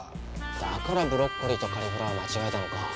だからブロッコリーとカリフラワー間違えたのか。